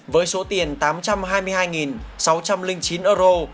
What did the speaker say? với số tiền tám trăm hai mươi hai sáu trăm linh lít